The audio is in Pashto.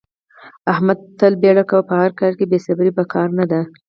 احمد تل بیړه کوي. په هر کار کې بې صبرې په کار نه ده.